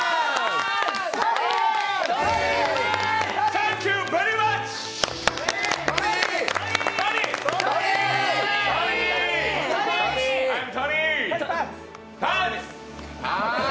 サンキュー・ベリー・マッチ。